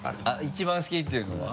一番好きっていうのは？